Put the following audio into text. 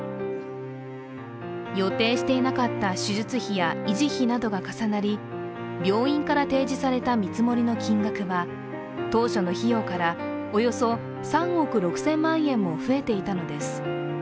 予定していなかった手術費や維持費などが重なり病院から提示された見積もりの金額は当初の費用からおよそ３億６０００万円も増えていたのです。